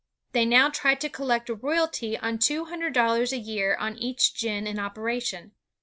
They now tried to collect a royalty of two hundred dol lars a year on each gin in operation.